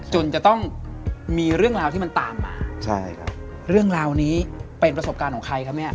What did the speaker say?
จนจะต้องมีเรื่องราวที่มันตามมาใช่ครับเรื่องราวนี้เป็นประสบการณ์ของใครครับเนี่ย